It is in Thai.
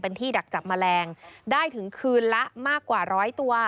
เป็นที่ดักจับแมลงได้ถึงคืนละมากกว่าร้อยตัว